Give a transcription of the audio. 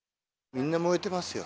みんな燃えてますよ。